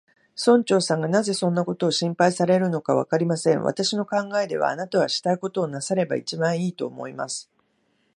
村長さんがなぜそんなことを心配されるのか、わかりません。私の考えでは、あなたはしたいことをなさればいちばんいい、と思います。